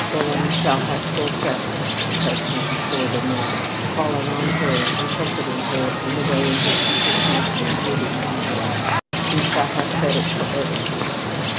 "Fulham shall have full credit," the President assured Honora, calling on her and comforting her in the way in which he perceived she needed comfort. "He shall have credit for everything."